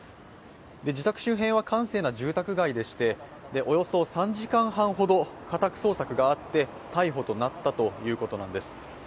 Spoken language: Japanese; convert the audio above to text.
自宅周辺は閑静な住宅街でして、およそ３時間半ほど家宅捜索があって、逮捕となったということなんです。